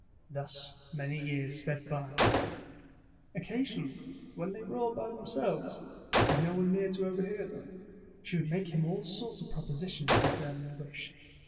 Thus many years sped by. Oc casionally, when they were all by themselves, with no one near to overhear them, she would make him all sorts of propositions concerning the wish.